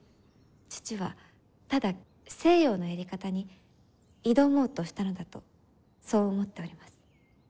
父はただ西洋のやり方に挑もうとしたのだとそう思っております。